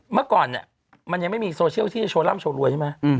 เมื่อก่อนเนี่ยมันยังไม่มีโซเชียลที่จะโชว์ร่ำโชว์รวยใช่ไหม